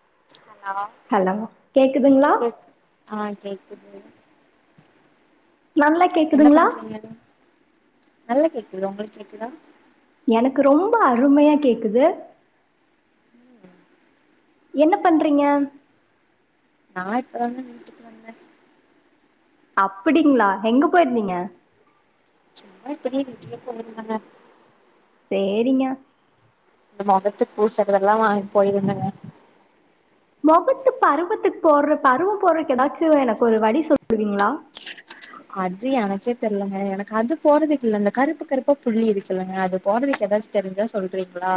[unintelligible] hello கேக் ஆ கேக் இல்லைங் நல்லா கேக்குதுங்களா பண்றீங்க நல்லா கேக்குது உங்களுக்கு கேக்குதா எனக்கு ரொம்ப அருமையா கேக்குது என்ன பண்றீங்க நா இப்ப தாங்க வீட்டுக்கு வந்தேன் அப்படிங்களா எங்க போயிருந்தீங்க பார்த்ததும் வீட்டுக்கே போயிருந்தங்க செரிங்க இந்த மொகத்துக்கு பூசரெதெல்லாம் வாங்க போயிருந்தங்க மொகத்து பருவத்துக்கு போடுற பருவோ போறக்கு எதாச்சு எனக்கு ஒரு வழி சொல்வீங்களா அது எனக்கே தெரலங்க எனக்கு அது போறதுக்கு இல்ல இந்த கருப்பு கருப்பா புள்ளி இருக்கலங்க அது போறதுக்கு எதாச்சு தெரிஞ்சா சொல்றீங்களா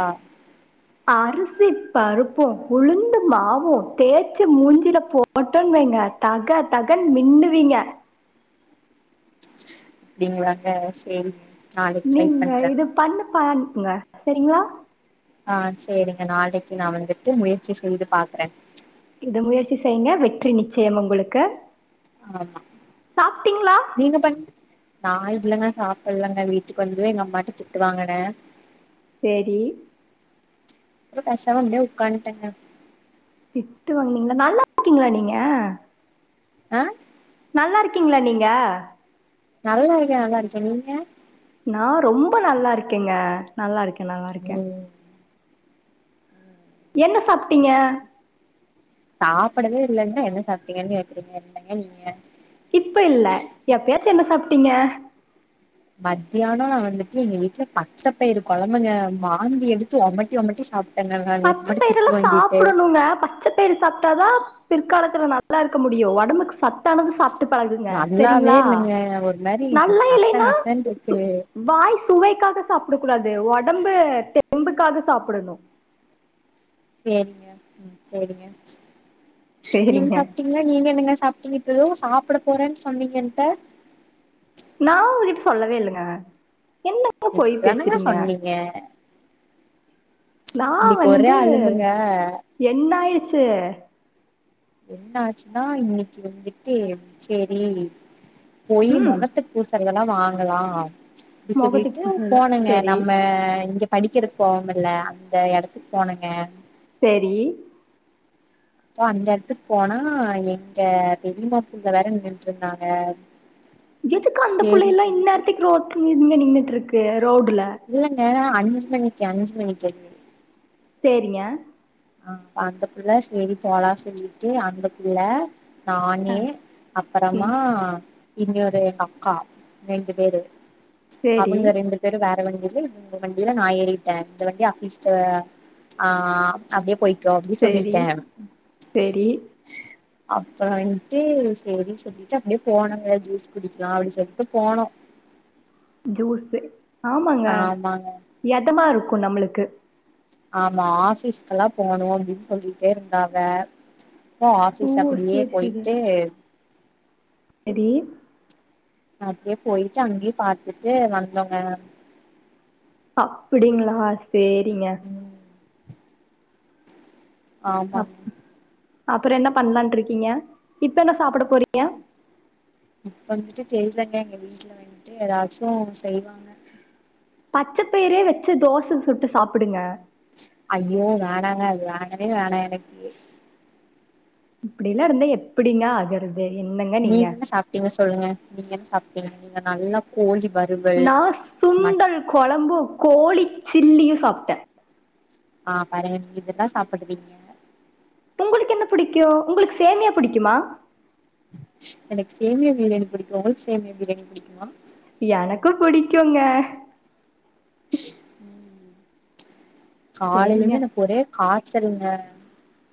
அரிசி பருப்போ உளுந்து மாவோ தேச்சி மூஞ்சில போட்டோ வைங்க தக தகன்னு மின்னுவீங்க அப்டிங்களாங்க செரி நீங்க இது பண்ண பண் ங்க செரிங்களா ஆ செரிங்க நாளைக்கு நா வந்துட்டு முயற்சி செய்து பாக்குறேன் இத முயற்சி செய்ங்க வெற்றி நிச்சயம் உங்களுக்கு ஆமா சாப்பிட்டீங்களா நீங்க பண் நாள் புல்ல சாப்புலங்க வீட்டுக்கு வந்தது எங்க அம்மா கிட்ட திட்டு வாங்குனேன் செரி பேசாம ஒக்கான்டங்க திட்டு வாங்னீங்களா நல்லா இருக்கீங்களா நீங்க அ நல்லா இருக்கீங்களா நீங்க நல்லா இருக்கேன் நல்லா இருக்கேன் நீங்க நா ரொம்ப நல்லா இருக்கேன் நல்லா இருக்கேன் நல்லா இருக்கேன் ம் என்ன சாப்ட்டீங்க சாப்படவே இல்லன்னந்தா என்ன சாப்பட்டீங்கன்னு கேக்குறீங்க இல்லங்க நீங்க இப்ப இல்ல எப்பயாச்சி என்ன சாப்பி டிங்க மத்தியானம் நான் வந்துட்டு எங்க வீட்டுல பச்சை பயிறு குழம்புங்க வாந்தி எடுத்து உமட்டி ஒமட்டி சாப் பச்சப்பயிறலா எல்லாம் சாப்படணுங்க பச்சப்பயிறு சாப்பட்டாதா பிற்காலத்தில்ல நல்லா இருக்க முடியும் உடம்புக்கு சத்தானது சாப்பட்டு பழகுங்க நல்லாவே செரிங்களா இல்லங்க ஒரு மாரி நல்ல நச இலன்னா நசன்ருக்கு வாய் சுவைக்காக சாப்படக்க கூடாது வொட உடம்பு தெம்புக்காக சாப்புடணும் செரிங்க ம் செரிங்க நீங்க சரிங்க சாப்பட்டீங்களா நீங்க என்னங்க சாப்பட்டங்கப்பதும் சாப்பட போறேன்னு சொன்னீங்க நான உங்கிட்ட சொல்லவே இல்லங்க என்னங்க பொய் இப்பதானங்க பேசுறீங்க சொன்னீங்க நான இன்னைக்கு ஒரே வந்து அழும்புங்க என்னாயிரச்சி சு என்ன ஆச்சுன்னா இன்னைக்கு வந்துட்டு சேரி போய் ம் முகத்துக்கு பூசா இதெல்லாம் வாங்கலாம் அப்படி மொகத்துக்கு சொல்லிட்டு பூசுனது போனேங்க செரி நம்ம இங்க படிக்கிறத்துக்கு போவோம்ல அந்த இடத்துக்கு போனுங்க செரி போ அந்த இடத்துக்கு போனா எங்க தெரியுமா பூங்க வேற நட்டு இருந்தாங்க எத்துக்கு அந்த சேரின்னு பிள்ளையல்லா இன்ன சொல்லிட்டு நேரத்துக்கு ரோங்க நின்னுட்டு இருக்கு ரோடுல அன்ஜிமணிக்கு அன்ஜிமணிக்கு செரிங்க ஆ அ அந்த புள்ள செரி போலாம் சொல்லிட்டு அந்தபுள்ள ஆ நானே அப்புறமா ம் இங்க ஒரு அக்கா ரெண்டு பேரு சேரி அவங்க ரெண்டு பேரும் வேற வந்துட்டு உங்க வண்டியில நான ஏறிட்டேன் இந்த வண்டி ஆபிஸ் ஆ அப்டியே போய் ஓகே சேரி சொல்லிட்டேன் சேரி அப்புறம் வந்துட்டு சரின்னு சொல்லிட்டு அப்படியே போனோங்க ஜூஸ் குடிக்கலாம் அப்படி சொல்லிட்டு போனோம் ஜூஸ்சு ஆமாங்க ஆமாங்க எதமா இருக்கும் நம்மளுக்கு க்கு ஆமா ஆபீஸ்கெல்லாம் போணும் அப்டின்னு சொல்லிட்டே இருந்தாங்க அப்போ ஓ ஆபீஸ் அப்டியே சேரி சேரி போயிட்டு [unintelligible] அப்டியே போயிட்டு அங்கேயே பாத்துட்டு வந்தோங்க அப்டிங்களா செரிங்க ம் ஆமா அப்பறம் என்ன பண்ணலான் இருக்கீங்க இப்ப என்ன சாப்பட போறீங்க இப்ப வந்துட்டு தெரியலங்க எங்க வீட்டுல வந்துட்டு எதாச்சும் செய்வாங்க பச்சப்பயிரே வச்சு தோச சுட்டு சாப்படுங்க ஐயோ வேணாங்க அது வேணவே வேணா எனக்கு இப்டியிலாம் இருந்தா எப்டிங்க ஆகறது நீங்க என்ன சாப்பட்டீங்க சொல்லுங்க நீங்க என்ன சாப்பட் நீங்க நல்லா கோஞ்சி நான சுண்டல் குழம்பும் கோழி சில்லியும் சாப்பே அட ஆ பருங்க இதெல்லாம் சாப்படுவீங்க உங்களுக்கு என்ன பிடிக்கும் உங்களுக்கு சேமியா புடிக்குமா எனக்கு சேமியா பிரியாணி பிடிக்கும் உங்களுக்கு சேமியா பிரியாணி பிடிக்குமா எனக்கு புடிக்குங்க உஷ் காலையில சரிங்க இருந்தே எனக்கு ஒரே கா சரிங்க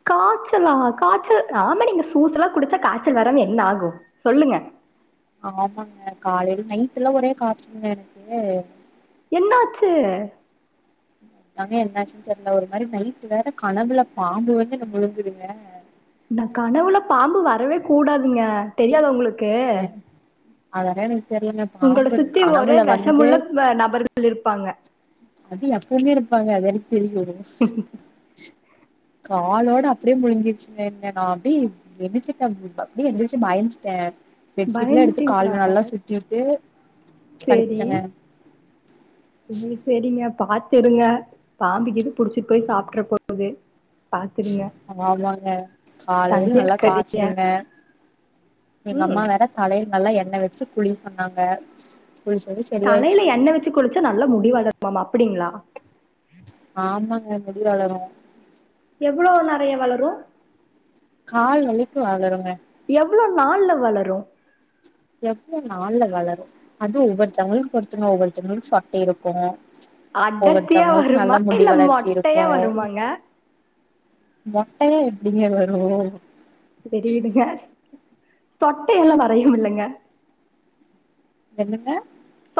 காய்ச்சலா காய்ச்சல் ஆமா நீங்க ஜூஸ் எல்லாம் குடிச்சா காய்ச்சல் வரமா என்ன ஆகும் சொல்லுங்க ஆமா ஆமாங்க காலையில நைட் எல்லாம் ஒரே காய்ச்சல்ங்க எனக்கு என்னாச்சு ஆமாங்க என்னாச்சுன்னு தெரியல ஒரு மாரி நைட் வேற கனவுல பாம்பு வந்து முழுங்குதுங்க அந்த கனவுல பாம்பு வரவே கூடாதுங்க தெரியாது உங்களுக்கு ஏ.. [unintelligible] உங்கள பாம்பு சுத்தி ஒரே கனவுல வந்து விஷமுள்ள [inaudible] நபர்கள் இருப்பாங்க அது எப்பவுமே இருப்பாங்க [inaudible] தெரியல சிஸ் காலோட அப்டியே முழுங்கிருச்சீங்க என் நான அப்டி எந்திரிச்சுட்டேன் அப்டியே எந்திரிச்சு பயந்துட்டேன் பெட்ஷீட்லாம் எடுத்து பயந்துட்டீங்களா கால்ல நல்லா சுத்திட்டு படுத்துட்டேன் உம் செரிங்.. நீ பாத்துருங்க பாம்பு கீம்பு புடிச்சிட்டு போய் சாப்பட்டுற போகுது ஸ் ஆமாங்க காலையில தனியா நல்லா இருக்காதீங்க காய்ச்சல்ங்க எங்க அம்மா ம் வேற தலையில நல்லா எண்ணெய் வச்சு குழி சொன்னாங்க குளிச்சது தலையில சரியாயிடுச்சுங்க எண்ணய் வச்சு குளிச்சா நல்லா முடிவு வளருமாம்மா அப்டிங்களா [inaudible] ஆமாங்க முடி வளரும் எவ்வளவு நெறைய வளரும் ஆால் வலிக்கு வாழருங்க எவ்ளோ நாள எவ்வளோ நள்ல வளரும் அது ஒவ்வொருத்தவங்களுக்கு ஒருத்தன்னா ஒவ்வொருத்தவங்களுக்கும் சொட்ட இருக்கும் அடர்த்தியா வருமா இல்ல மொட்டையா வருமாங்க மொட்டய எப்டிங்க வரும் பெரி விடுங்க தொட்டய எல்லாம் வரையும் இல்லங்க என்னுங்க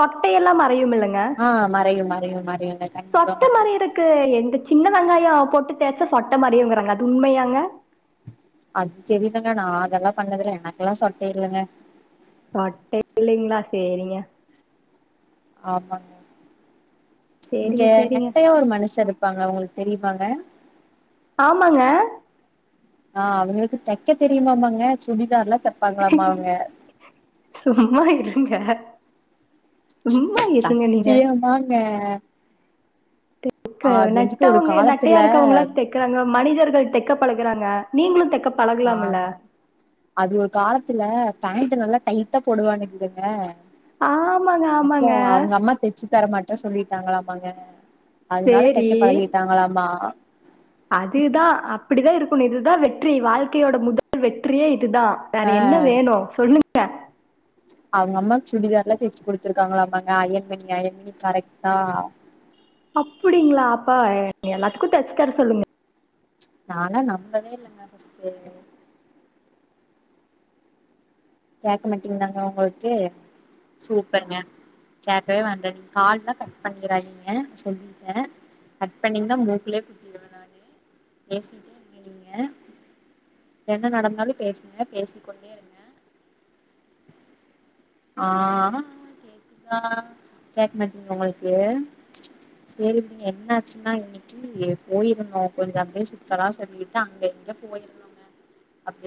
அப்டிஎல்லாம் மரயுமில்ல ஆ மறையும் ம அத மாரியுங் சொட்ட மாரி இருக்கு எந்த சின்ன வெங்காயம் போட்டு தேச்சா சொட்டை மாரையும்ங்கறாங்க அது உண்மயாங்க அது தெரியலங்க நான அதெல்லாம் பண்ணதல எனக்கெல்லாம் சொட்டை இல்லங்க சொட்டல்ங்களா செரிங்க ஆமாங்க இங்க சேரிங்க சேரிங்க நெட்டையா ஒரு மனுஷ இரு ப்பாங்க உங்களுக்கு தெரியுமாங்க ஆமாங்க ஆ அவங்களுக்கு தைக்க தெரியுமாமாங்க சுடிதார்ல சும்மா இருங்க சும்மா இருங்க நீங்க சத்தியமாங்க [unintelligible] அது வந்துட்டு ஒரு நட்டவங்க நட்டையா காலத்துல இருக்கவங்களாம் தைக்குறாங்க மனிதர்கள் தெக்க பழகுறாங்க நீங்களும் தெக்க ஆமா அது ஒரு காலத்துல பேண்ட் நல்லா டைட் போடுவான்னுக்குதுங்க ஆமாங்க ஆமாங்க தரமாட்டன் சொல்லிட்டாங்களாமங்க அதனால சேரி தைக்க பழகிட்டாங்களாமா அதுதான் அப்டிதான் இருக் இதுதான் வெற்றி வாழ்க்கையோட முதல் வெற்றியே இ தான் வேற என்ன வேணும் சொன்னு அ அவங்க அம்மா சுடிதார் எல்லாம் தே்சு குடுத்துருக்காங்களா அப்பங்க அயன்மணி அயன்மணி கரெக்ட்டா அப்டிங்களா அப்பா எல்லாத்துக்கும் தச்சித்தர சொல்லுங்க நானா நம்பவே இல்லைங்க ஸ கேடக்க மாட்டீங்கன்னாங்க உங்களுக்கு சூப்பருங்க கேட்க்கவே வேண்ட நீங்க கால்லெல்லாம் கட் பண்ணாதீங்க சொல்லிட்டேன் கட் பண்ணீங்கன்னா மூக்குலையே குத்திடுவேன் நான் பேசிட்டே இருக்கேன் நீங்க என்ன நடந்தாலும் பேசுங்க பேசிக்க கொண்டே இருங்க ஆ கேக்குதா கேட்க மாட்டீங்க உங்களுக்கு செரிங்க என்ன ஆச்சுன்னா இன்னைக்கு போயிருந்தோம் கொஞ்ச அப்பவே சுத்தலா சொல்லிட்டு அங்க எங்க போயிருந்தோங்க அப்படியே